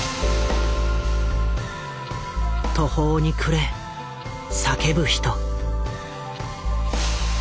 途方に暮れ叫ぶ人。